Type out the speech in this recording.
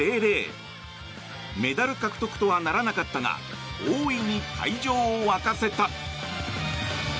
メダル獲得とはならなかったが大いに会場を沸かせた。